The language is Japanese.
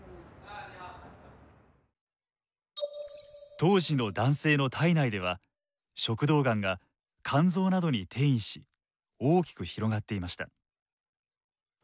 当時の男性の体内では食道がんが肝臓などに転移し大きく広がっていました。